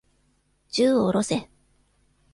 銃を下ろせ。